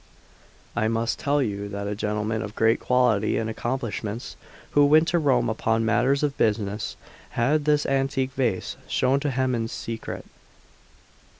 I must tell you that a gentleman of great quality and accomplishments, who went to Rome upon matters of business, had this antique vase shown to him in secret.